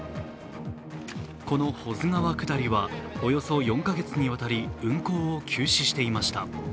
この保津川下りはおよそ４か月にわたり運航を休止していました。